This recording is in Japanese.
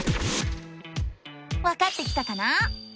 わかってきたかな？